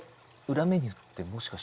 裏メニューってもしかして。